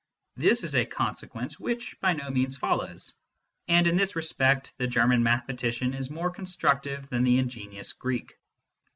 This is a conse quence which by no means follows ; and in this respect, the German mathematician is more constructive than the ingenious Greek.